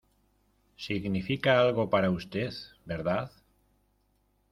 significa algo para usted, ¿ verdad?